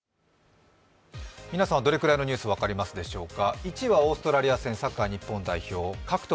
皆さんはどれくらいのニュース、分かりますでしょうか。